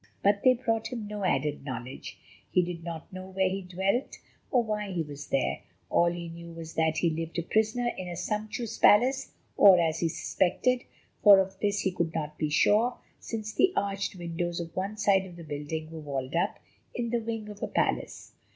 But they brought him no added knowledge. He did not know where he dwelt or why he was there. All he knew was that he lived a prisoner in a sumptuous palace, or as he suspected, for of this he could not be sure, since the arched windows of one side of the building were walled up, in the wing of a palace.